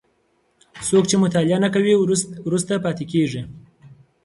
څوک چي مطالعه نه کوي وروسته پاتې کيږي.